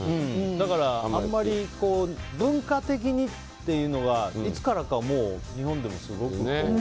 だからあんまり文化的にっていうのがいつからか日本でもすごく。